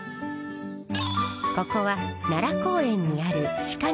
ここは奈良公園にある鹿の保護施設。